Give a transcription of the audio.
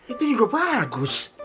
itu juga bagus